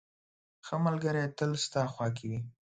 • ښه ملګری تل ستا خوا کې وي.